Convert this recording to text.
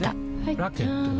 ラケットは？